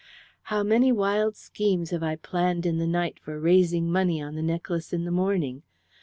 "How many wild schemes have I planned in the night for raising money on the necklace in the morning!